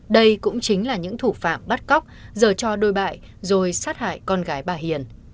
đây cũng chính là những thủ phạm bắt cóc dở trò đổi bại rồi sát hại con gái bà hiền